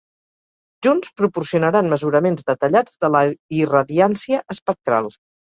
Junts proporcionaran mesuraments detallats de la irradiància espectral.